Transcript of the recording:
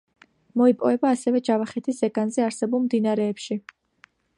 მოიპოვება ასევე ჯავახეთის ზეგანზე არსებულ მდინარეებში.